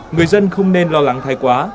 người dân không nên lo lắng thay quá